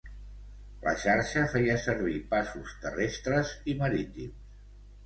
La Xarxa feia servir passos terrestres i marítims.